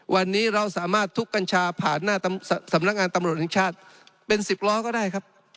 วันนี้เราสามารถทุกกัญชาผ่านหน้าสำนักงานตำรวจแห่งชาติเป็น๑๐ล้อก็ได้ครับ